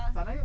sana yuk gini